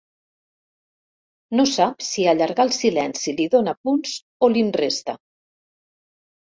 No sap si allargar el silenci li dóna punts o li'n resta.